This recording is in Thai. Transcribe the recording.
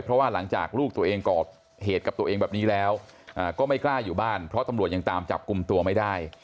เพราะว่าหลังจากลูกตัวเองก่อเหตุกับตัวเองแบบนี้แล้วก็ไม่กล้าอยู่บ้านเพราะตำรวจยังตามจับกลุ่มตัวไม่ได้